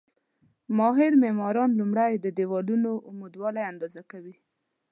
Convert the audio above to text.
ماهر معماران لومړی د دېوالونو عمودوالی اندازه کوي.